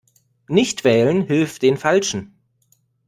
Nichtwählen hilft den Falschen.